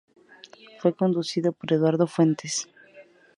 Fue conducido por Eduardo Fuentes.